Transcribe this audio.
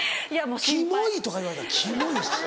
「キモい」とか言われた「キモい」。